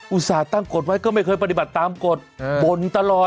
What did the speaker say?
อุตส่าห์ตั้งกฎไว้ก็ไม่เคยปฏิบัติตามกฎบ่นตลอด